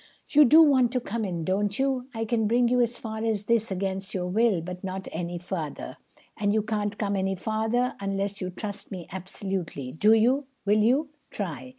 You do want to come in, don't you? I can bring you as far as this against your will, but not any farther. And you can't come any farther unless you trust me absolutely. Do you? Will you? Try!"